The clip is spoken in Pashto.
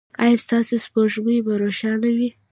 ایا ستاسو سپوږمۍ به روښانه وي؟